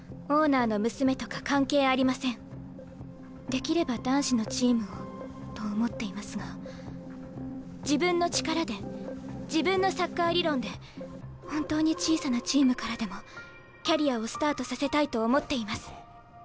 できれば男子のチームをと思っていますが自分の力で自分のサッカー理論で本当に小さなチームからでもキャリアをスタートさせたいと思っています。